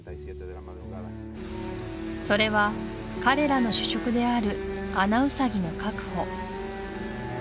それは彼らの主食であるアナウサギの確保